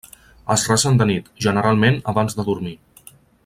Es resen de nit, generalment abans de dormir.